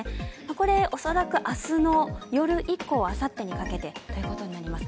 これ、恐らく明日の夜以降、あさってにかけてということになります。